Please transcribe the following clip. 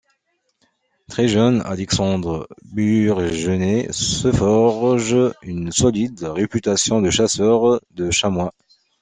Très jeune, Alexandre Burgener se forge une solide réputation de chasseur de chamois.